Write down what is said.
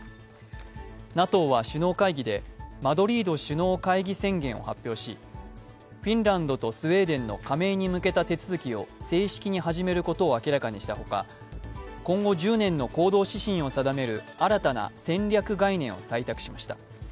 ＮＡＴＯは首脳会議でマドリード首脳会議宣言を発表しフィンランドとスウェーデンの加盟に向けた手続きを正式に始めることを明らかにしたほか今後１０年の行動指針を定める新たな戦略概念を採択しました。